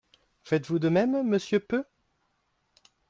Faites-vous de même, monsieur Peu?